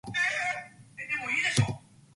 He started to play the guitar at the age of six.